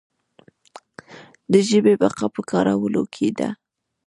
د ژبې بقا په کارولو کې ده.